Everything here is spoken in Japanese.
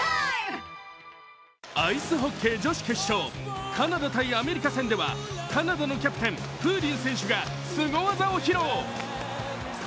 アイスホッケー女子決勝カナダ対アメリカ戦ではカナダのキャプテン・プーリン選手がすご技を披露。